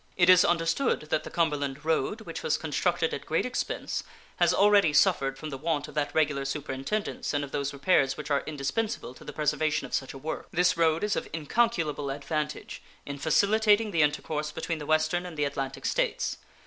It is understood that the Cumberland road, which was constructed at great expense, has already suffered from the want of that regular superintendence and of those repairs which are indispensable to the preservation of such a work. This road is of incalculable advantage in facilitating the intercourse between the Western and the Atlantic States.